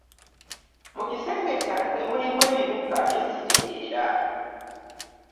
Mu kisenge kyange mulimu ebiwuka bye sitegeera.